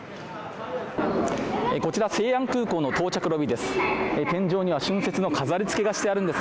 こちら西安空港の到着ロビーです。